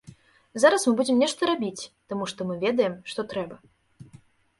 Зараз будзем нешта рабіць, таму што мы ведаем, што трэба.